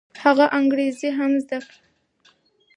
هغه انګریزي هم زده کړه.